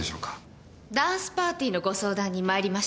ダンスパーティーのご相談に参りましてよ。